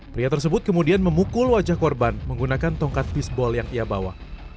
pria tersebut kemudian memukul wajah korban menggunakan tongkat fisbol yang ia bawa